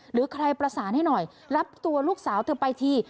หรือใครประสานให้หน่อยรับตัวลูกสาวเธอไปที